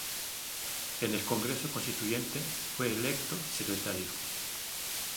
En el Congreso Constituyente, fue electo secretario.